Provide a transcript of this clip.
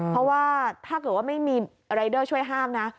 เพราะว่าถ้าเกิดว่าไม่มีรายเดอร์ช่วยห้ามนะ